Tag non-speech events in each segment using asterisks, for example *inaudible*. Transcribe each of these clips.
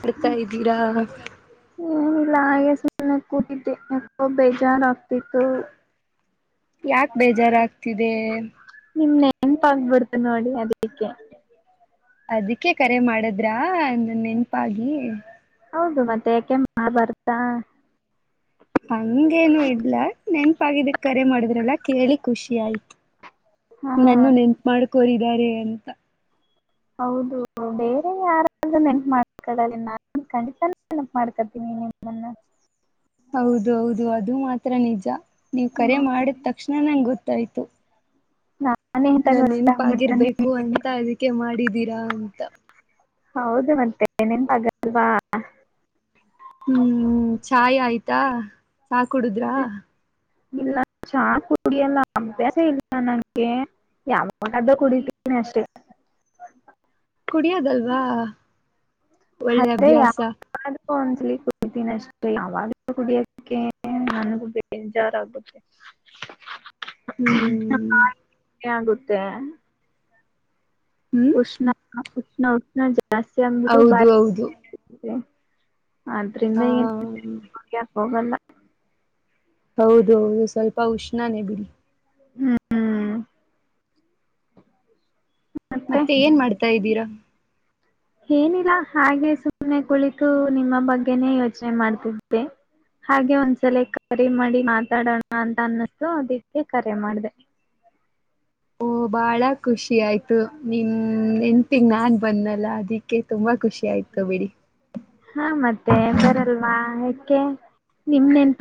ಬರ್ತಾ ಇದ್ದೀರಾ ಲ್ಲ ಹಾಗೆ ಸನೆ ಕೂಟ್ಟಿದ್ದೆ ಯಾಕೋ ಬೇಜಾರಾಗಗ್ತಿತ್ತು ಯಾಕ ಬೇಜಾರಾಗಗ್ತಿದೆ ನೆಂಪ ಆಗ್ಬಿಡ್ತು ನೋಡಿ ಅದಕ್ಕೆೆ ಅದಕ್ಕೆ ಕರೆ ಮಾಡುದ್ರ ನ ನೆನ್ಪಾಗಿ ಹೌದು ಮತ್ತೆ ಯಾಕೆ ಮಾ ಬರ್ತಾ ಹಂಗೇನು ಇಡ್ಲ ನೆನ್ಪಾಗಿದ ಕರೆ ಮಾಡಿದ್ರಲ್ಲ ಕೇಳಿ ಖುಷಿ ಆಯ್ತು ಹಾ ನನ್ನು ನೆನ್ಪ ಮಾಡಕೋರಿದಿದ್ದಾರೆ ಅಂತ ಹೌದು ಬೇರೆ ಯಾರ ನೆಪ ಮಾಡಕ ನಾನ ಖಂಡಿತಾನೆನಪ ಮಾಡ್ಕತೀನಿ ನಿಮ್ಮನ್ನ ಹೌದು ಹೌದು ಅದು ಮಾತ್ರ ನಿಜ ನೀವ್ ಕರೆ ಹ್ಮ್, ಮಾಡಿದ ತಕ್ಷಣ ನಂಗಗೆ ಗೊತ್ತಾಯ್ತು ಹಾ ನನ್ ನೆನ್ಪಗಿರ್ಬೇಕು ಅಂತ ಅದಕ್ಕೆ ಮಾಡಿದೀರಾ ಅಂತ ಹೌದು ಮತ್ತೆ ನಿನ್ಪಗಲ್ವಾ ಹ್ಮ್ ಚಾಯ್ ಆಯ್ತಾ ಹಾಕಡುದ್ರಾ ಇಲ್ಲ ಚಾ ಕುಡಿಯಲ್ಲ ಅಭ್ಯಾಸ ಇಲ್ಲ ನಂಗೆ ಯಾವಾಗ್ದ ಕುಡಿತೀನಿ ಅಷ್ಟೆ ಕುಡಿಯೋದಲ್ವ ಒಳ್ಳೆ ಅದೇ ಅಭ್ಯಾಸ ಯಾವಾಗಾದ್ರೂ ಒಂದ್ಸಲಿ ಕುಡಿತೀನಿ ಅಷ್ಟೆ ಯಾವಾಗಲೂ ಕುಡಿಯೋದಕ್ಕೆ ನನಗು ಬೇಜಾರಾಗುತ್ತೆ ಹ್ಮ್ ಇ *inaudible* ಆಗುತ್ತೆ ಹ್ಮ್ ಉಷ್ಣ ಉಷ್ಣ ಉಷ್ಣ ಹೌದು ಹೌದು *unintelligible* ಅದ್ರಿಂದ ಹಾ ಏನ್ ಹವಲ್ಲ ಹೌದು ಹೌದು ಸ್ವಲ್ಪ ಉಷ್ಣಾನೇ ಬಿಡಿ ಹ್ಮ್ ಮತ್ತೆ ಏನ್ ಮಾಡ್ತಾ ಇದ್ದೀರಾ. ಏನಿಲ್ಲ ಹಾಗೆ ಸುಮ್ಮನೆ ಕುಳಿತು ನಿಮ್ಮ ಬಗ್ಗೆನೆೇ ಯೋಚನೆ ಮಾಡ್ತಿದ್ದೆ ಹಾಗೆ ಒಂದಸಲ ಕರೆ ಮಾಡಿ ಮಾತಾಡೋಣ ಅಂತ ಅನ್ನಿಸತು ಅದಕ್ಕೆಕ್ಕೆ ಕರೆ ಮಾಡ್ದೇ. ಓ ಬಹಳ ಖುಷಿ ಆಯ್ತು. ಆಯ್ತು ನೀನ್ ಹೆಂಡತಿಗ *inaudible* ಬಂದ್ನಲ್ಲ ಅದಿಕ್ಕೆ ತುಂಬಾ ಖುಷಿ ಆಯ್ತು ಬಿಡಿ. ಅದಕ್ಕೆ.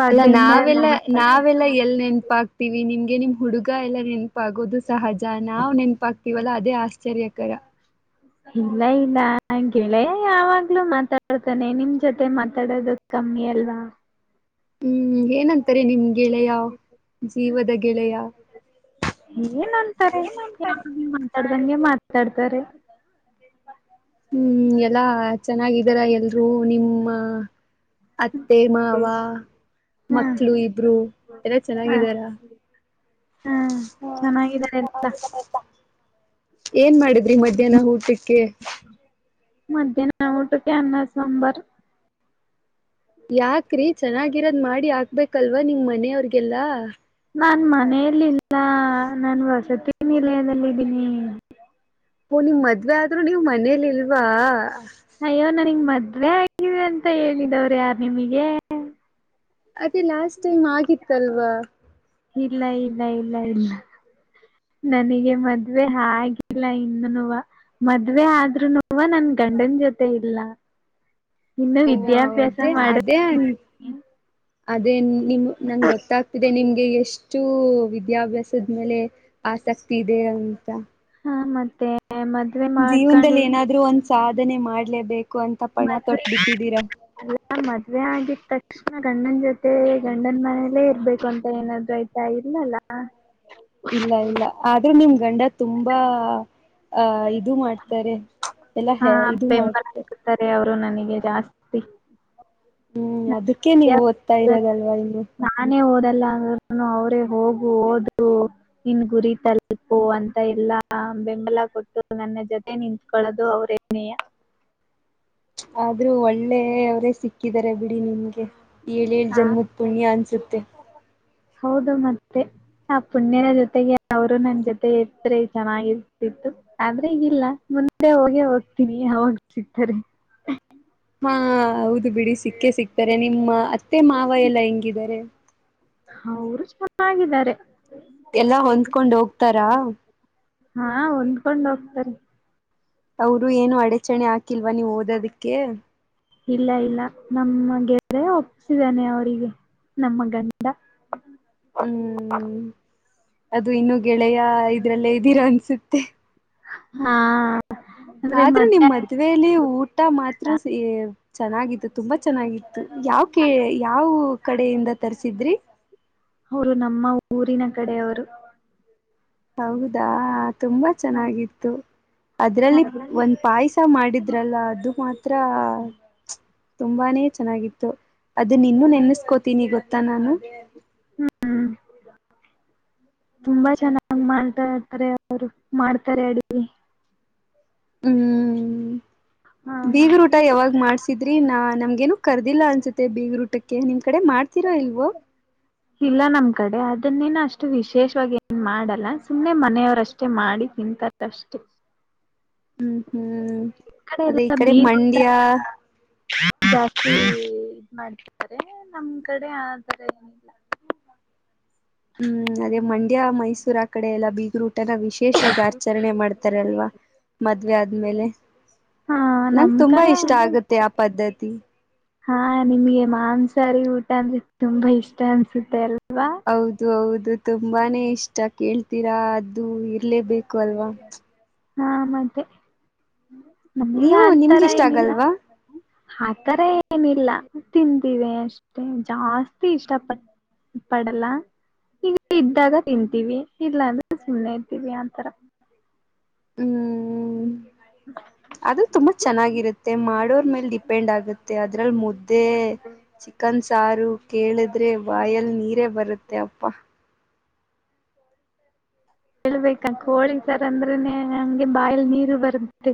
ಅಲ್ಲ ನಾವೆಲ್ಲ ನಾವೆಲ್ಲಾ ಎಲ್ಲಿ ನೆನಪ ಆಗ್ ವಿ ನಿಮ್ಗೆ ನಿಮ್ ಹುಡುಗ ಎಲ್ಲ ನೆನಪಾಗೋದು ಸಹಜ ನಾವ್ ನೆನಪಾಗ್ತಿವಲ್ಲ ಅದೇ ಆಶ್ಚರ್ಯಕರ. ಇಲ್ಲ ಇಲ್ಲ. ಹಂಗೇಳೆ ಯಾವಾಗ್ಲೂ ಮಾತಾಡ್ತಾನೆ ನಿಮ್ ಜೊತೆ ಮಾತಾಡದು ಕಮ್ಮಿ ಅಲ್ವಾ. ಹ್ಮ್ ಏನಂತ. ಕರಿ ನಿಮ್ ಗೆಳೆಯ ಜೀವದ ಗೆಳೆಯ. ಏನ್ ಅಂತಾರೆ *unintelligible* ಮಾತಾಡ್ತಾರೆ. ಹ್ಮ್ ಎಲ್ಲಾ ಚೆನ್ನಾಗಿದ್ದಾರ ಎಲ್ರೂ ನಿಮ್ಮ. ಅತ್ತೆ ಮಾವ ಹ್ಮ್ ಮಕ್ಳು ಇಬ್ರು ಎಲ್ಲ ಚೆನ್ನಾಗಿದಾರ. ಹಾ ಚೆನ್ನಾಗಿದ್ದಾರೆ ಎಲ್ಲ. ಏನ್ ಮಾಡಿದ್ರಿ ಮಧ್ಯಾಹ್ನ ಊಟಕ್ಕೆ. ಮಧ್ಯಾಹ್ನ ಊಟಕ್ಕೆ ಅನ್ನ ಸಾಂಬಾರ್. ಯಾಕ್ರಿ ಚೆನ್ನಾಗಿರೋದ್ ಮಾಡಿ. *unintelligible* ಆಗ್ಬೇಕಲ್ವಾ ನಿಮ್ ಮನೆಯವ್ರಿಗೆಲ್ಲಾ. ನಾನ್ ಮನೆಯಲ್ಲಿಲ್ಲ. ಹಾ ನನ್ ವಸತಿ ನಿಲಯದಲ್ಲಿ ಇದೇನೀ. ಇಲ್ಲಿ ಇಲ್ವಾ. ಅಯ್ಯೋ ನನಗೆ ಮದ್ವೆ ಆಗಿದೆ ಅಂತ ಹೇಳಿದವ್ರ ಯಾರ್ ನಿಮಗೆ. ಅದೇ ಲಾಸ್ಟ್ ಟೈಮ್ ಆಗಿತ್ತು. ಸಲ್ವ. ಇಲ್ಲ ಇಲ್ಲ ಇಲ್ಲ ಇಲ್ಲ ನನಗೆ ಮದ್ವೆ ಆಗಿಲ್ಲ ಇನ್ನುವ ಮದ್ವೆ ಆದ್ರುನುವ ನನ್ ಗಂಡನ್ ಜೊತೆ ಇಲ್ಲ. ಇನ್ನು ಓ ವಿದ್ಯಾಭ್ಯಾಸ ಅದೇ ಮಾಡ ಅದೇ ಅನ್ ಅದೇ ನಿಮ ನಂಗೆ ಗೊತ್ತಾಗ್ತಿದೆ ನಿಮ್ಗೆ ಎಷ್ಟು ವಿದ್ಯಾಭ್ಯಾಸ ಮೇಲೆ ಆಸಕ್ತಿ ಇದೆ ಅಂತ. *unintelligible* ಮಾಡ್ಕೊಂಡಿ ಜೀವನದಲ್ಲಿ ಏನಾದ್ರು ಒಂದ್ ಸಾಧನೆ ಮಾಡ್ಲೇ ಮದ್ ಯ ಮದ್ವೆ ಆಗಿತ್ತು ತೃಕ್ಷ್ಣ ಗಂಡನ್ ಜೊತೆ ಗಂಡನ್ ಮನೇಲೆೇ ಇರ್ಬೇಕು ಅಂತ ಏನಾದ್ೂ ಆಯ್ತಾ ಇರ್ಲಲ್ಲ ಇಲ್ಲ ಇಲ್ಲ ಆದ್ರೂ ನಿಮ್ ಗಂಡ ತುಂಬಾ ಆ ಇದು ಮಾಡ್ತಾರೆ ಎಲ್ಲಾ ಹ ಹಾ ಇದು ಬೆಂಬಲ ಮಾಡ್ತಾರೆ ಕೊಡ್ತಾರೆ ನನಗೆ ಜಾಸ್ತಿ ಹ್ಮ್ ನನ್ನ ಅದಕ್ಕೆ ನೀವು ಓದ್ತಾ ಇರೋದಲ್ವಾ ಇನ್ನು ಎಲ್ಲಾ ಅಂದ್ರರು ಅವ್ರೇ ಹೋಗು ಓದು ನಿನ್ ಗುರಿ ತಲುಪು ಅಂತ ಎಲ್ಲಾ ಬೆಂಬಲ ಕೊಟ್ಟು ನನ್ನ ಜೊತೆ ನಿತ್ಕೊಳ್ಳೋದು ಅವ್ರೇನೇಯ ಆದ್ರೂ ಒಳ್ಳೆಯವರೇ ಸಿಕ್ಕಿದಿದ್ದಾರೆ ಬಿಡಿ ನಿಮ್ಗೆ ಏಳು ಹಾ ಜನ್ಮದ ಪುಣ್ಯ ಅನ್ಸುತ್ತೆ ತ್ತೆ ಹೌದು ಮತ್ತೆ ಆ ಪುಣ್ಯನ ಜೊತೆಗೆ ಅವರು ನನ್ ಜೊತೆ ಎತ್್ರೆ ಚೆನ್ನಾಗಿರ್ತಿತ್ತು ಆದ್ರೆ ಈಗಲ್ಲ ಮುಂದೆ ಹೋಗೆ ಹೋಗ್ತೀನಿೋಗ್ಸತಾರೆ ಹಾ ಹೌದು ಬಿಡಿಸಿ ಸಿಕ್ಕ ಸಿಕ್ತಾರೆ ನಿಮ್ಮ ಅತ್ತೆ ಮಾವ ಎಲ್ಲಾ ಹೆಂಗಿದ್ದಾರೆ ಅವರು ಚೆನ್ನಾಗಿದ್ದಾರೆ ಎಲ್ಲಾ ಹೊಂದ್ಕೊಂಡ್ ಹೋಗ್ತಾರಾ ಹಾ ಹೊಂದ್ಕೊಂಡ್ ಹೋಗ್ತಾರೆ ಅವರು ಏನು ಅಡಚಣೆ ಹಾಕಿಲ್ವಾ ನೀವು ಓದೋದಕ್ಕೆ ಇಲ್ಲ ಇಲ್ಲ ನಮ್ಮಗೆ ಒಪ್ಪಸಿದಾನೆ ಅವರಿಗೆ ನಮ್ಮ ಗಂಡ ಹ್ಮ್ ಅದು ಇನ್ನುೊ ಗೆಳೆಯ ಇದ್ರಲ್ಲೇ ಇದ್ದೀರೋಂತ ಸಿತ್ತೆ ಹಾ ಅಂದ್ರೆ ಆದ್ರೂ ನಿಮ್ ಮದ್ವೆ ಮದ್ವೆೇಲಿ ಊಟ ಮಾತ್ರ ಚೆನ್ನಾಗತ್ತು ತುಂಬಾ ಚೆನ್ನಾಗಿತ್ತು ಯಾವ ಕ ಯಾವ ಕಡೆಯಿಂದ ತರ್ಸಿದ್ರಿ ಅವರು ನಮ್ಮ ಊರಿನ ಕಡೆ ಅವರು ಹೌದಾ ತುಂಬಾ ಚೆನ್ನಾಗಿತ್ತು ಅದ್ರಲ್ಲಿ ಹಾಗೆ ಒಂದ್ ಪಾಯಸ ಮಾಡಿದ್ರಲ್ಲ ಅದು ಮಾತ್ರ ತ್ರ ತುಂಬಾನೇ ಚೆನ್ನಾಗಿತ್ತು ಅದು ನಿನ್ನೂ ನೆನೆಸ್ಕೋತೀನಿ ಗೊತ್ತಾ ನಾನು ಹ್ಮ್ ತುಂಬಾ ಚೆನ್ನಾಗಿ್ ಮಾಡ್ತಾ ಇರ್ತಾರೆ ಅವರು ಮಾಡ್ತಾರೆ ಅಡ್ ಹ್ಮ್ ಹಾ ಬೀಗ ೂಟ ಯಾವಾಗ್ ಮಾಡ್ಸಿದ್ರಿ ನಾ ನಮ್ಗೇನು ಕರ್ದಿಲ್ಲ ಅನ್ಸುತ್ತೆ ಬೀಗ ರೂಟಕ್ಕೆ ನಿಮ್ ಕಡೆ ಮಾಡ್ತೀರಾ ಇಲ್ವೋ ಇಲ್ಲ ನಮ್ ಕಡೆ ಅದನ್ನೇನ ಅಷ್ಟು ವಿಶೇಷವಾಗಿ ಏನ್ ಮಾಡಲ್ಲ ಸುಮ್ಮನೆ ಮನೆಯವ್ರಷ್ಟೇ ಮಾಡಿ ತಿಂತಾರ ಅಷ್ಟೆ ಹ್ಮ್ ಹ್ಮ್ ಅದೇ ಇ ಎಲ್ಲ ಕಡೆ ಬೀಜ ಮಂಡ್ಯ ಜಾಸ್ತಿ ಇದ್ ಮಾಡ್ತಿದ್ದಾರೆ ನಮ್ ಕಡೆ ಆ ತರ ಏನಿಲ್ಲ ಹ್ಮ್ ಅದೇ ಮಂಡ್ಯ ಮೈಸೂರ ಆ ಕಡೆ ಎಲ್ಲ ಬೀಗರು ನ ವಿಶೇಷವಾಗಿ ಆಚರಣೆ ಮಾಡ್ತಾರಲ್ವಾ ಮದ್ವೆ ಆದ್ಮೇಲೆ ಹಾ ನಂ ನಮ್ ತುಂಬಾ ಕಡೆ ಇಷ್ಟ ಆಗುತ್ತೆ ಆ ಪದ್ಧತಿ ಹಾ ನಿಮ್ಗೆ ಮಾಂಸಾರಿ ಊಟ ಅಂದ್ರೆ ತುಂಬಾ ಇಷ್ಟ ಅನ್ಸುತ್ತೆ ಎಲ್ಲ ಹೌದು ಹೌದು ತುಂಬಾನೇ ಇಷ್ಟ ಕೇಳ್ತೀರಾ ಅದು ಇರ್ಲೇಬೇಕು ಲ್ವಾ ಹಾ ಮತ್ತೆ ನಮಗೆ ನೀವು ಆತರ ನಿಮ್ಗೆ ಇಷ್ಟ ಏನಿಲ್ಲ ಆಗಲ್ವಾ ಆತರ ಏನಿಲ್ಲ ತಿಂತೀವಿ ಅಷ್ಟೆ ಜಾಸ್ತಿ ಇಷ್ಟಪ ಪಡಲ್ಲ ಈಗ ಇದ್ದಾಗ ತಿಂತೀವಿ ಇಲ್ಲಾ ಅಂದ್ರೆ ಸುಮ್ಮನೆ ಇತೀವಿ ಆಂತರ ಹ್ಮ್ ಅದು ತುಂಬಾ ಚೆನ್ನಾಗಿರುತ್ತೆ ಮಾಡೋರ್ ಮೇಲ್ ಡಿಪೆಂಡ್ ಆಗುತ್ತೆ ಅ *inaudible* ಚಿಕನ್ ಸಾರು ಕೇಳಿದ ಆದ್ರೆ ವಾಯಲ್ ನೀರೇ ಬರುತ್ತೆ ತ್ತ ಅಪ್ಪ ಹೇಳ್ಬೇಕಾ ಕೋಳಿ ತರ ಅಂದ್ರನೆೇ ಹಂಗೆ ಬಾಯಲ್ ನೀರು ಬರುತ್ತೆ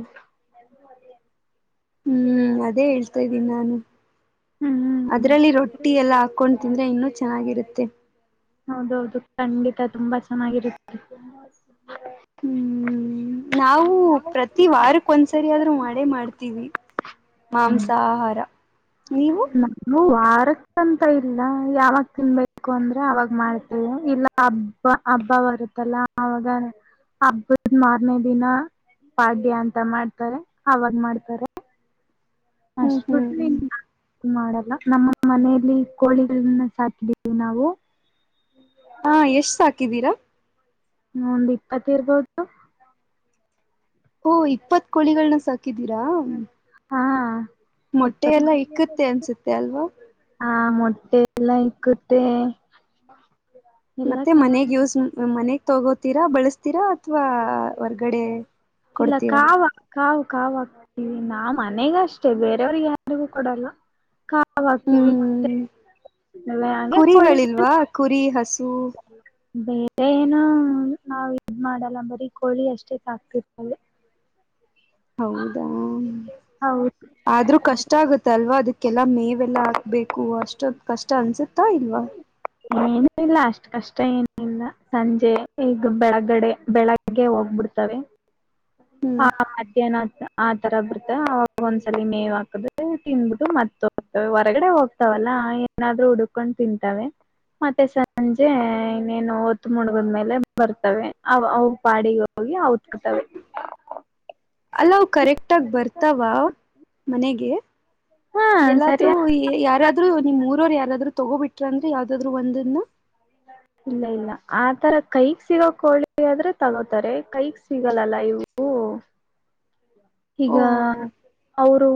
ಹ್ಮ್ ಅದೇ ಹೇಳ್ತಾ ಇದ್ದೀನಿ ನಾನು ಹ್ಮ್ ಅದ್ರಲ್ಲಿ ರೊಟ್ಟಿ ಎಲ್ಲ ಹಾಕೊಂಡು ತಿಂದ್ರೆ ಇನ್ನೂ ಚೆನ್ನಾಗಿರುತ್ತೆ ಹೌದೌದು ಖಂಡಿತ ತುಂಬಾ ಚೆನ್ನಾಗಿರುತ್ತ ಹ್ಮ್ ನಾವು ನಾವು ಪ್ರತಿ ವಾರಕ್ ಒಂದ್ಸರಿ ಆದ್ರೂ ಮಾಡೇ ಮಾಡ್ತೀವಿ ಮಾಂಸಾಹಾರ ನೀವು ನ ಅಂತ ಇಲ್ಲ ಯಾವಾಗ ತಿನ್ಬೇಕು ಅಂದ್ರೆ ಅವಾಗ ಮಾಡ್ತೇವೆ ಇಲ್ಲ ಹಬ್ಬ ಹಬ್ಬ ಬರುತ್ತಲ್ಲ ಅವಾಗ ಹಬ್ಬದ ಮಾರ್ನೇ ದಿನ ಪಾಡ್ಯ ಅಂತ ಮಾಡ್ತಾರೆ ಅವಾಗ ಮಾಡ್ತಾರೆ ಹ್ಮ್ ಅಷ್ಟ ಹ್ಮ್ ಬಿಟಿ ಮಾಡ ನಮ್ಮ ಮನೆಯಲ್ಲಿ ಕೋಳಿಗಳನ್ನ ಸಾಟಿದೀವಿ ನಾವು ಹಾ ಎಷ್ಟು ಸಾಕಿದೀರಾ ಒಂದು್ ಇಪ್ಪತ್ತ ಇರ್ಬೋದು ಓ ಇಪ್ಪತ್ ಕೋಳಿಗಳನ್ನ ಸಾಕಿದೀರಾ ಹಾ ಇಪ್ಪತ್ ಮೊಟ್ಟೆಲ್ಲ ಇಕ್ಕುತ್ತೆ ಅನ್ಸುತ್ತೆ ಅಲ್ವಾ ಹಾ ಎಲ್ಲಾ ಇಕ್ಕಟ್ಟೇ ಮತ್ತೆ ಮನೆಗ್ ಯೂಸ್ ಮನೆಗ್ ತಗೋತೀರಾ ಬಳಸ್ತೀರಾ ಕವಾ ವರ್ಗಡೆ ಇಲ್ಲ ಕಾವ ಕವು ಕಾವ ಇ ನಾ ಮನೆಗ ಅಷ್ಟೇ ಬೇರೆಯವ್ರಿಗೆ ಯಾರಿಗೂ ಕೊಡಲ್ಲ ಹ್ಮ್ ಹತವಿಲ್ಲ ಹಾಗೆ ಸು ಬೇರೆ ಏನ ನಾವ್ ಇದ್ ಮಾಡಲ್ಲ ಬರೀ ಕೋಳಿ ಅಷ್ಟೇ ಸಾಕ್ತಿತ್ತಲ್ಲ ಹೌದಾ ಹೌದು ಆದ್ರೂ ಕಷ್ಟ ಆಗುತ್ತ ಅಲ್ವಾ ಅದಕ್ಕೆ ಕೆಲ ಮೇವೆಲ್ಲ ಹಾಕ್ಬೇಕು ಅಷ್ಟೊ ಕಷ್ಟ ಅನ್ಸುತ್ತಾ ಇಲ್ವಾ ಏನ ಇಲ್ಲ ಅಷ್ಟ್ ಕಷ್ಟ ಏನಿಲ್ಲ ಸಂಜೆ ಈಗ ಬೆಳಗಡೆ ಬೆಳಗ್ಗೆ ಹೋಗ್ಬಿಡ್ತವೆ ಹ್ಮ್ ಹಾ ಮಧ್ಯನಾ ಆ ತರ ಬರ್ತ ಅವಾಗ ಒಂದ್ಸಲ ನೇವ್ ಹಾಕದ ತಿನ್ಬಿು ಮತ್ತ ಹೋಗ್ತವೆ ಹೊರಗಡೆ ಹೋಗ್ತಾವಲ್ಲಾ ಏನಾದ್ ಹುಡ್ಕೊಂಡು ತಿಂತಾವ ಮತ್ತೆ ಸಂಜೆ ಇನ್ನೇನು ಒತ್ತು ಮುಡ್ಗದ್ಲೆ ಬರ್ತವೆ ಅವ ಪಾಡಿ ಅಲ್ಲ್ ಕರೆಕ್ಟ್ ಆಗ ಬರ್ತಾವ ಮನೆಗೆ ಹಾ ಸರಿ ಎಲ್ಲಾದ್ರೂ ಯಾರಾದ್ರರು ನಿಮ್ಮ್ ಊರವ್ ಯಾರಾದ್ರು ತಗೋಬಿಟ್ರ ಅಂದ್ರೆ ಯಾವ್ದಾದ್ರು ಒಂದನ್ನ ಇಲ್ಲ ಇಲ್ಲ ಆತರ ಕೈಕ್ ಸಿಗೋಕೋಳಿ ಆದ್ರೆ ತಗೋತಾರೆ ಕೈಕ್ ಸಿಗಲ್ಲಲ್ಲ ಇವು ಈಗ ಓ ಅವರು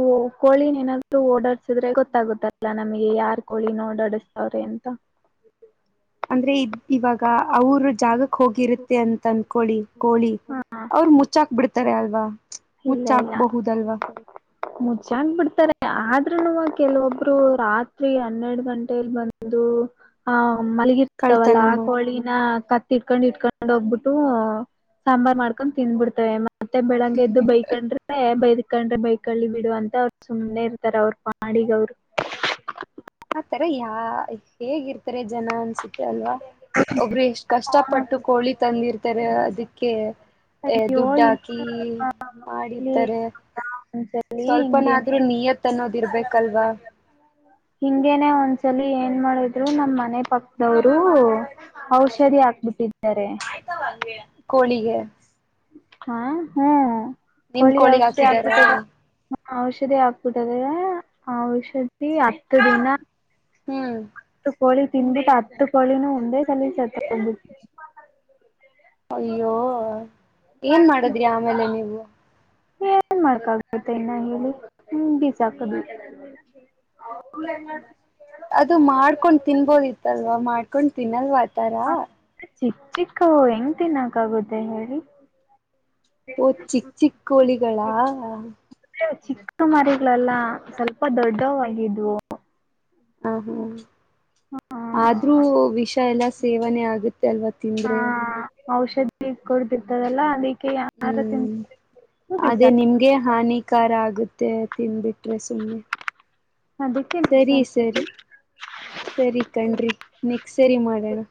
ಕೋಳಿಿನ ಏನಾದೂ ಓಡಾಡ್ಸಿದ್ರೆ ಗೊತ್ತಾಗುತ್ತಲ್ಲ ನಮಗೆ ಯಾರ್ ಕೋಳಿನ ಓಡಾಡಸ್ತವ್ರೆ ಅಂತ ತ್ತ ಅಂದ್ರೆ ಇವಾಗ ಅವ್ರ ಜಾಗಕ್ ಹೋಗಿರುತ್ತೆ ಅಂತ ಅನ್ಕೊಳ್ಳಿ ಕೋಳಿ ಹಾ ಅವರು ಮುಚ್ಚಾಕ್ ಬಿಿಡ್ತಾರೆ ಅಲ್ವಾ ಮುಚ್ಚಾಕ್ಬಹುದಲ್ವಾ ಮುಚ್ಚಾಗ ಬಿಡ್ತಾರೆ ಆದ್ರೂನುವ ಕೆಲವೊಬ್ರು ರಾತ್ರಿ ಹನ್ನೆರಡು ಗಂಟಲಿ ಬಂದು ಆ ಮಲಗಿ ಇರ್ತಾವಲ್ಲ ಕಳ್ತನ ಆ ಮಾಡ ಕೋಳಿನ ಕ ಇಟ್ಕೊಂಡ್ ಇಟ್ಕೊಂಡ್ ಹೋಗ್ಬಿಟ್ಟು ಸಾಂಬಾರ್ ಮಾಡ್ಕೊಂಡ ತಿಂದ್ಬಿಡ್ತವೆ ಮತ್ತೆ ಬೆಳಗ್ಗೆ ಬೈಕೊಂಡ್ರೆ ಬೈದಕಂಡ್ರೆ ಬೈಕಳ್ಳಿ ಬಿಡುುವ ಅಂತ ಅವ್ರು ಸುಮ್ಮ್ನೆ ಇರ್ತಾರ ಅವ್ರ ಪಿಗ ಅವರು ತರ ಯಾ ಹೇಗಿರ್ ಜನ ಅನ್ಸುತ್ತೆ ಅಲ್ವಾ ಒಬ್ರು ಎಷ್ಟ್ ಹ ಕಷ್ಟಪಟ್ಟು ಕೋಳಿ ತಂದಿರ್ತ ಅದಕ್ಕೆ ಅಯ್ಯೋ ದುಡ್ಡು ಇ ಹಾಕಿ ಮಾಡರ್ತಾರೆ ಒಂದ್ಸಲಿ ಸ್ವಲ್ಪನಾದ್ರರು ಹಿಂಗೇನೆ ನಿಯತ್ ಅನ್ನೋದಿರ್ಬೇಕಲ್ವಾ ಒಂದ್ಸಲ ಏನ್ ಮಾಡಿದ್ರು ನಮ್ಮ್ ಮನೆ ಪಕ್ಕದವರು ಔಷಧಿ ಹಾಕ್ಬಿಟ್ಟಿದ್ರು ಆಯ್ತ ಕೋಳಿಗೆ ಹ ಹಾ ಹ್ಮ್ ನಿಮ್ ಕೋಳಿ ಔಷಧಿ ಹಾಕಿದಾರಾ ಹಾಕ್ಬಿಟ್ಟಿದ ಔಷಧಿ ಹಾಕ್ಬಿಟ್ಟದೆ ಓಂ ಔಷಧಿ *unintelligible* ಹ್ಮ್ ಕೋಳಿ ತಿನ್ಬಿಟ್ಟು ಹತ್ತು ಕೋಳಿನೂ ಒಂದೇ ಸಲಿನ ಸತ್ ಬಿಟ್ಟಿದ್ದು. ಅಯ್ಯೋ ಏನ್ ಮಾಡದ್ರಿ ಆಮೇಲೆ ನೀವು ಏನ್ ಮಾಡಕಾಗುತ್ತೆ ಅ ಹೇಳಿ ಬಿಸಾಕೋದು ಅದು ಮಾಡ್ಕೊಂಡ್ ತಿನ್ಬೋದಿತ್ತಲ್ವಾ ಮಾಡ್ಕೊಂಡ್ ತಿನ್ನಲ್ವಾ ಅ ತರಾ ಚಿಕ್ಕ ಚಿಕ್ಕ ಹೆಂಗ್ ತಿನ್ನಕಾಗುತ್ತೆ ಹೇಳಿ. ಓ ಚಿಕ್ಕ ಚಿಕ್ಕ ಕೋಳಿಗಳಾ ಚಿಕ್ಕ ಮರಿಗಳೆಲ್ಲ ಸ್ವಲ್ಪ ದೊಡ್ಡವಾಗಿದ್ವು ಹ ಹ ಆದ್ರೂ ಹ ವಿಷ ಎಲ್ಲಾ ಸೇವನೆ ಆಗತ್ತಿ ಎಲ್ವ ಹಾ ತಿಂದರೆ ಔಷಧಿ ಕೊಡ್ತಿರ್ತದಲ್ಲ ಅಲ್ಲಿ ಹ್ಮ್ ಅದೇ ಬಿಸಾಕಿ ನಿಮ್ಗೆ ಹಾನಿ ಕಾರಾ ಆಗುತ್ತೆ ತಿನ್ಬಿಟ್ರೆ ಸುಮ್ಮನೆ ಅದಕ್ಕೆ ಸರಿ ಬಿಸಾಕಿ ಸರಿ ಸರಿ ಕಣ್ರಿ ನೆಕ್ಸ್ಟ್ ಸರಿ ಮಾಡೋಣ